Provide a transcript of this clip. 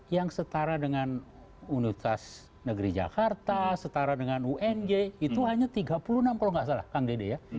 yang setara dengan universitas negeri jakarta setara dengan ung itu hanya tiga puluh enam kalau nggak salah kang dede ya